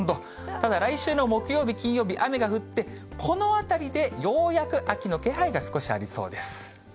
ただ来週の木曜日、金曜日、雨が降って、このあたりでようやく秋の気配が少しありそうです。